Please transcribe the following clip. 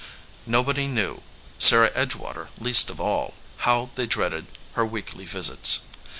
Nobody knew, Sarah Edgewater least of all, how they dreaded her weekly visits.